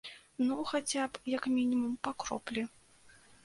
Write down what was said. Ну, хаця б, як мінімум, па кроплі.